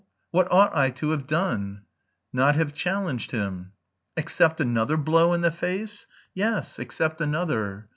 "What ought I to have done?" "Not have challenged him." "Accept another blow in the face?" "Yes, accept another."